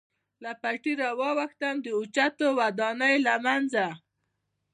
له پټلۍ واوښتم، د اوچتو ودانیو له منځه.